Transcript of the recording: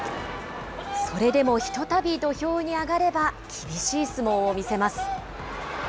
それでもひとたび土俵に上がれば、厳しい相撲を見せます。